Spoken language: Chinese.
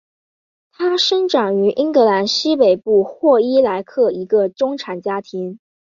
她成长于英格兰西北部霍伊莱克一个中产家庭。